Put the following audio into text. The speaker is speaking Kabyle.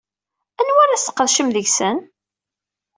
Anwa ara tesqedcem deg-sen?